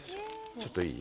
ちょっといい？